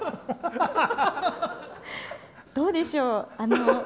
どうでしょう。